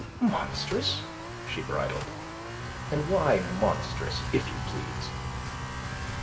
"Monstrous!" She bridled. "And why monstrous, if you please?"